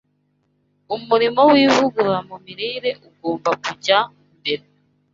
Umurimo w’Ivugurura mu Mirire Ugomba Kujya Mbere